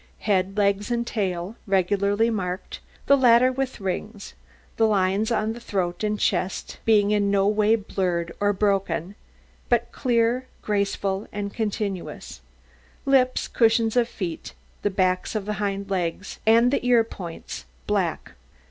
Head, legs, and tail regularly marked, the latter with rings, the lines on the throat and chest being in no way blurred or broken, but clear, graceful, and continuous; lips, cushions of feet, the backs of the hind legs and the ear points black.